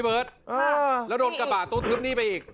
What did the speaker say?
เดินเลยครับ